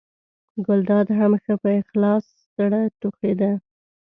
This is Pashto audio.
ګلداد هم ښه په خلاص زړه ټوخېده.